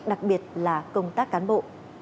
đặc biệt là công tác cán bộ